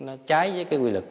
nó trái với cái quy lực